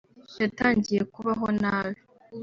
yatangiye kubaho nabi